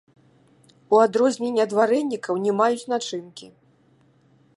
У адрозненне ад варэнікаў не маюць начынкі.